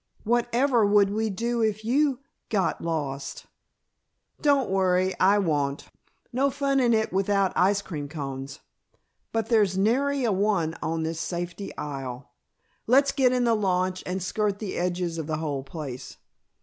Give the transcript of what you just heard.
"Whatever would we do if you got lost?" "Don't worry, I won't. No fun in it without ice cream cones. But there's nary a one on this safety isle. Let's get in the launch and skirt the edges of the whole place.